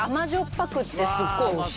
ぱくってすっごいおいしいよ。